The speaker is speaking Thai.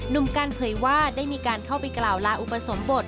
หนุ่มกันเผยว่าได้มีการเข้าไปกล่าวลาอุปสมบท